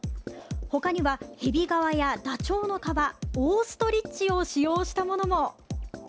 ほかには、ヘビ革やダチョウの革オーストリッチを使用したものも。